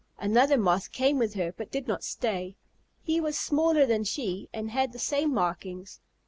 Another Moth came with her, but did not stay. He was smaller than she, and had the same markings.